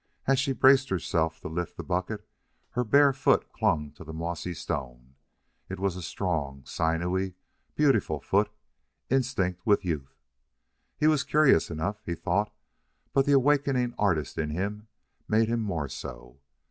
As she braced herself to lift the bucket her bare foot clung to the mossy stone. It was a strong, sinewy, beautiful foot, instinct with youth. He was curious enough, he thought, but the awakening artist in him made him more so.